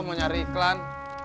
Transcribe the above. mau nyari iklan